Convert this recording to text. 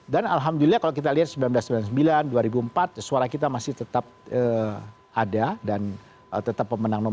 dan alhamdulillah kalau kita lihat seribu sembilan ratus sembilan puluh sembilan dua ribu empat suara kita masih tetap ada dan tetap pembangunan